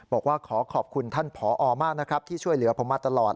บอกว่าขอขอบคุณท่านผอมากนะครับที่ช่วยเหลือผมมาตลอด